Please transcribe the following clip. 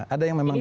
ada yang memang